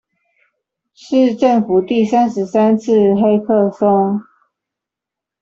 是政府第三十三次黑客松